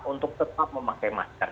untuk tetap memakai masker